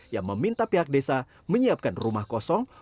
yang meminta pihak desa menyiapkan rumah kosong